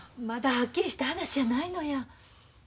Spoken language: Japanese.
まだはっきりした話やないのや。